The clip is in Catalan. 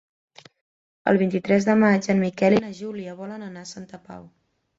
El vint-i-tres de maig en Miquel i na Júlia volen anar a Santa Pau.